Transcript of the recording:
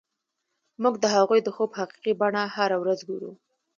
موږ د هغوی د خوب حقیقي بڼه هره ورځ ګورو